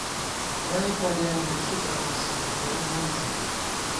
ڈیائے پہ ڈیائے مُشِک امہ ، سمَندُورہ مَل ݫُپی